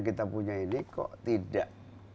kita punya ini kok tidak